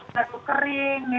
batuk kering ya